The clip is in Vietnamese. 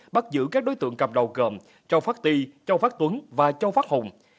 bắt giữ các đối tượng cầm đầu gồm châu phát ti châu phát tuấn và châu phát hùng